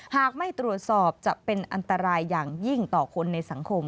หากไม่ตรวจสอบจะเป็นอันตรายอย่างยิ่งต่อคนในสังคม